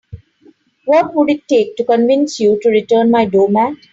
What would it take to convince you to return my doormat?